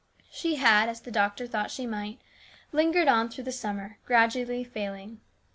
She had, as the doctor thought she might, lingered on through the summer, gradually failing.